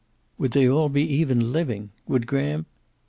Would they all be even living? Would Graham